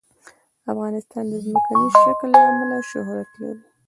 افغانستان د ځمکنی شکل له امله شهرت لري.